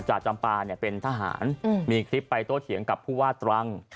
จำปาเป็นทหารมีคลิปไปโต้เถียงกับผู้ว่าตรัง